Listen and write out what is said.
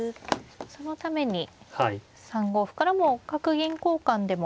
そのために３五歩からも角銀交換でも。